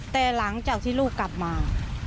แต่หลังจากที่ลูกกลับมา